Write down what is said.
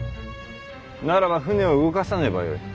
ならば船を動かさねばよい。